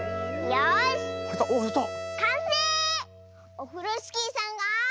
オフロスキーさんが。